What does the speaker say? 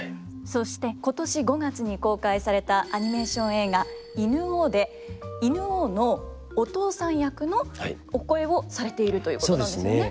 そして今年５月に公開されたアニメーション映画「犬王」で犬王のお父さん役のお声をされているということなんですよね。